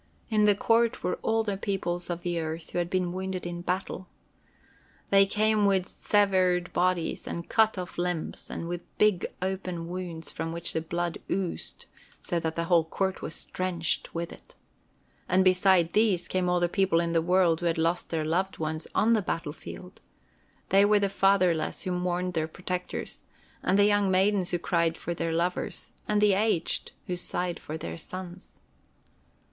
In the court were all the peoples of earth who had been wounded in battle. They came with severed bodies, with cut off limbs, and with big open wounds from which the blood oozed, so that the whole court was drenched with it. And beside these, came all the people in the world who had lost their loved ones on the battlefield. They were the fatherless who mourned their protectors, and the young maidens who cried for their lovers, and the aged who sighed for their sons.